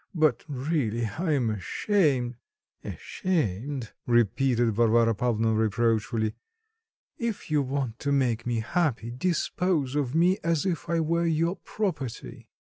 But, really, I am ashamed"... "Ashamed!" repeated Varvara Pavlovna reproachfully. "If you want to make me happy, dispose of me as if I were your property."